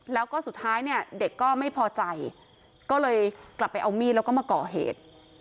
แล้วก็สุดท้ายเนี่ยเด็กก็ไม่พอใจก็เลยกลับไปเอามีดแล้วก็มาก่อเหตุ